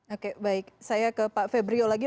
oke baik saya ke pak febrio lagi